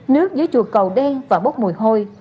nước dưới chùa cầu đen và bốc mùi hôi